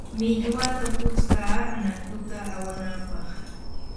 millwata putskaa anakuta awanapaq.